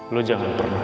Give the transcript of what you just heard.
lu jangan pernah